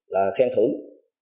là khen thưởng